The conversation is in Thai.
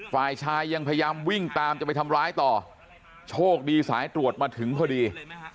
ฝ่ายชายยังพยายามวิ่งตามจะไปทำร้ายต่อโชคดีสายตรวจมาถึงพอดี